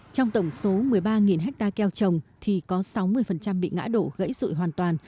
trong tổng số một mươi ba ha keo trồng thì có sáu mươi bị ngã đổ gãy rụi hoàn toàn